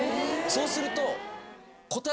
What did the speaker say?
そうすると。